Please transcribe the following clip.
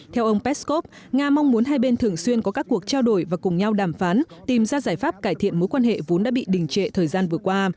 theo ông peskov nga mong muốn hai bên thường xuyên có các cuộc trao đổi và cùng nhau đàm phán tìm ra giải pháp cải thiện mối quan hệ vốn đã bị đình trệ thời gian vừa qua